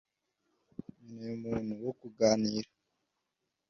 nkeneye umuntu wo kuganira